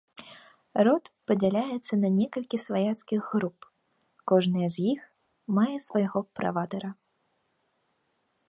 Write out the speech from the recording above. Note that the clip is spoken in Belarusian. Род падзяляецца на некалькі сваяцкіх груп, кожная з іх мае свайго правадыра.